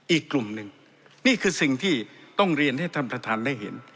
อีกกลุ่มหนึ่งนี่คือสิ่งที่ต้องเรียนให้ท่านประธานได้เห็น